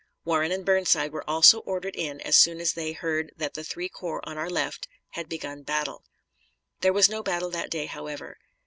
Warren and Burnside were also ordered in as soon as they heard that the three corps on our left had begun battle. There was no battle that day, however.